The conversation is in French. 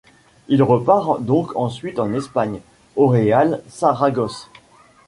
Il repart donc ensuite en Espagne, au Real Saragosse.